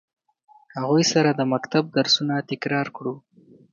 هغوی سره د مکتب درسونه تکرار کړو.